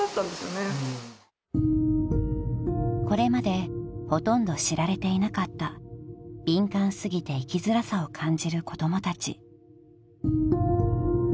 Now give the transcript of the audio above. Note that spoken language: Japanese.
［これまでほとんど知られていなかった敏感過ぎて生きづらさを感じる子供たち］